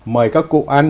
mời các cụ ăn